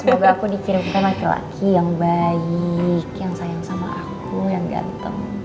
coba aku dikirimkan laki laki yang baik yang sayang sama aku yang ganteng